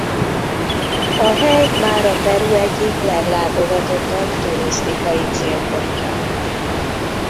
A hely mára Peru egyik leglátogatottabb turisztikai célpontja.